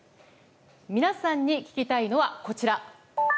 皆さんに聞きたいのはこちら。